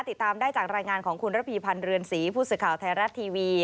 ติดตามได้จากรายงานของคุณระพีพันธ์เรือนศรีผู้สื่อข่าวไทยรัฐทีวี